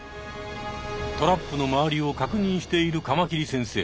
トラップの周りを確認しているカマキリ先生。